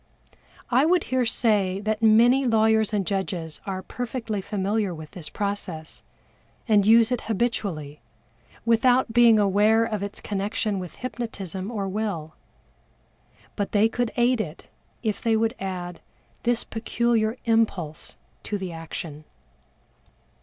I would here say that many lawyers and judges are perfectly familiar with this process, and use it habitually, without being aware of its connection with hypnotism or will. But they could aid it, if they would add this peculiar impulse to the action.